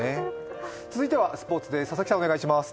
続いてはスポーツです。